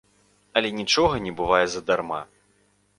Але нічога не бывае задарма.